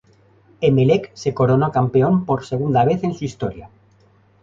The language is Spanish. Emelec se coronó campeón por segunda vez en su historia.